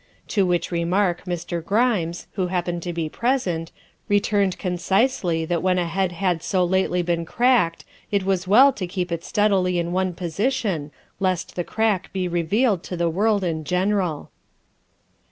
To which remark Mr. Grimes, who happened to be present, returned concisely that when a head had so lately been cracked it was well to keep it steadily in one position, lest the crack be revealed to the world in general.